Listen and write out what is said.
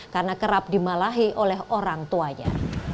karena kerap dimalahi oleh orang tuanya